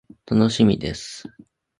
楽しみです。